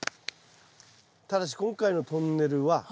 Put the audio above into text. ただし今回のトンネルは。